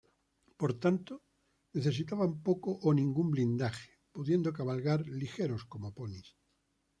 Por tanto, necesitaban poco o ningún blindaje, pudiendo cabalgar ligeros como ponis.